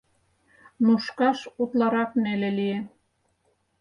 Нушкаш утларак неле лие.